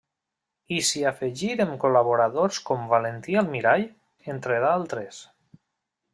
I s'hi afegiren col·laboradors com Valentí Almirall, entre d'altres.